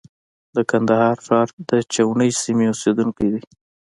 د کندهار ښار چاوڼۍ سیمې اوسېدونکی دی.